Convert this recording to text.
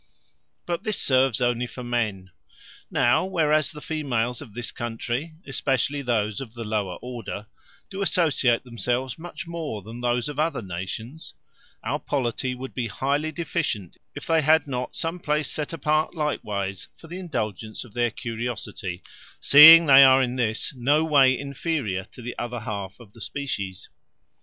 But this serves only for the men. Now, whereas the females of this country, especially those of the lower order, do associate themselves much more than those of other nations, our polity would be highly deficient, if they had not some place set apart likewise for the indulgence of their curiosity, seeing they are in this no way inferior to the other half of the species.